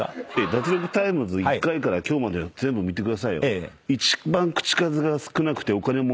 『脱力タイムズ』１回から今日まで全部見てくださいよ。